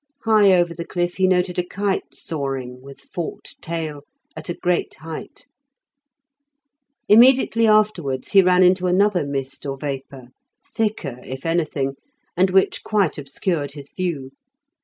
High over the cliff he noted a kite soaring, with forked tail, at a great height. Immediately afterwards he ran into another mist or vapour, thicker, if anything, and which quite obscured his view.